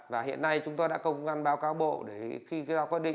và hiện nay chúng tôi đã công văn báo cáo bộ để khi giao quyết định chúng tôi thực hiện